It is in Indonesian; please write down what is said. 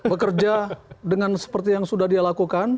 bekerja dengan seperti yang sudah dia lakukan